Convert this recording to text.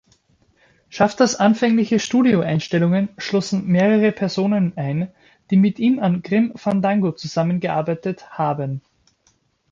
Schafters anfängliche Studioeinstellungen schlossen mehrere Personen ein, die mit ihm an „Grim Fandango“ zusammengearbeitet haben.